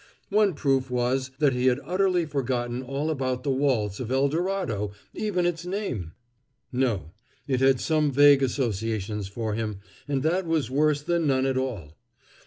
One proof was that he had utterly forgotten all about the waltz of Eldorado even its name! No; it had some vague associations for him, and that was worse than none at all.